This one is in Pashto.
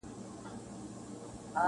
• په ټولۍ د ګیدړانو کي غښتلی -